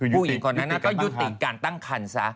ผู้หญิงคนนั้นก็ยุติการตั้งคันซะ